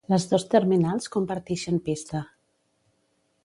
Les dos terminals compartixen pista.